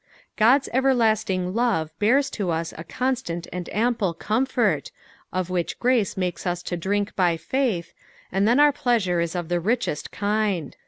God's everlasting love bears to us a constant and ample comfort, of vhich grace makes us to drink by faith, and then our pleasure is of the richest kind.